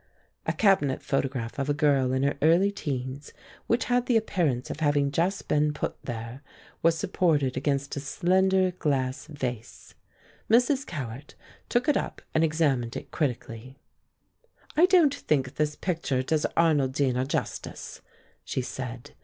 A cabinet photograph of a girl in her early teens, which had the appearance of having just been put there, was supported against a slender glass vase. Mrs. Cowart took it up and examined it critically. "I don't think this picture does Arnoldina justice," she said.